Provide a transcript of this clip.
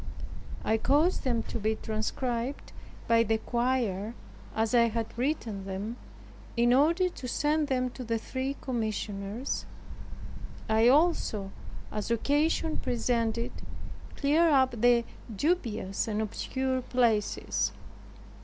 I caused them to be transcribed by the quire, as I had written them, in order to send them to the three commissioners. I also, as occasion presented, cleared up the dubious and obscure places.